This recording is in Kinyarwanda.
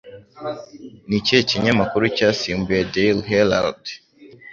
Ni ikihe kinyamakuru cyasimbuye Daily Herald